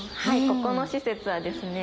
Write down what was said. ここの施設はですね